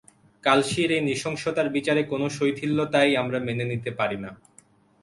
কালশীর এই নৃশংসতার বিচারে কোনো শৈথিল্য তাই আমরা মেনে নিতে পারি না।